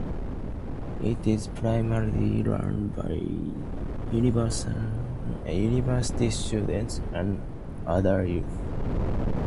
It is primarily run by university students and other youth.